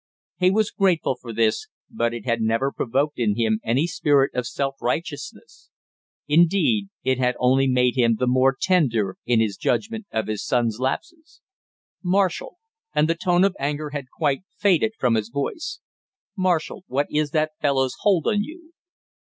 He was grateful for this, but it had never provoked in him any spirit of self righteousness; indeed, it had only made him the more tender in his judgment of his son's lapses. "Marshall " and the tone of anger had quite faded from his voice "Marshall, what is that fellow's hold on you?"